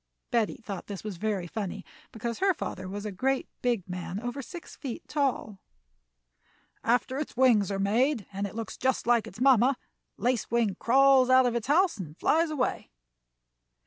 Betty thought this was very funny, because her father was a great big man over six feet tall. "After its wings are made and it looks just like its mamma, Lace Wing crawls out of its house and flies away."